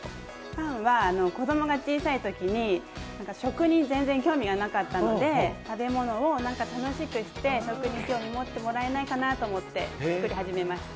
パンは子供が小さいときに食に全然興味がなかったので食べ物を楽しくして食に興味持ってもらえないかなと思って作り始めました。